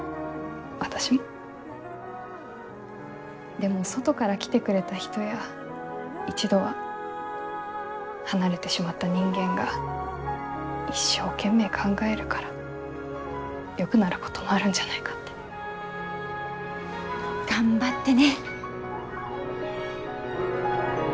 でも外から来てくれた人や一度は離れてしまった人間が一生懸命考えるからよくなることもあるんじゃないかって。頑張ってね。